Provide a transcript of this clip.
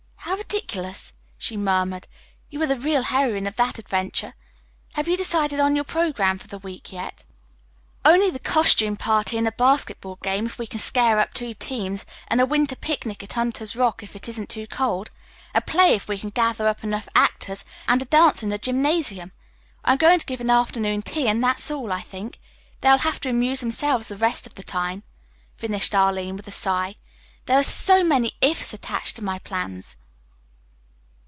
"How ridiculous," she murmured. "You are the real heroine of that adventure. Have you decided on your programme for the week yet?" "Only the costume party and a basketball game, if we can scare up two teams, and a winter picnic at Hunter's Rock, if it isn't too cold. A play, if we can gather up enough actors, and a dance in the gymnasium. I'm going to give an afternoon tea, and that's all, I think. They will have to amuse themselves the rest of the time," finished Arline with a sigh. "There are so many ifs attached to my plans."